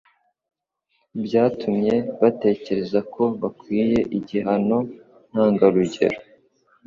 byatumye batekereza ko bakwiye igihano ntangarugero.